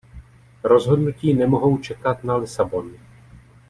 Rozhodnutí nemohou čekat na Lisabon!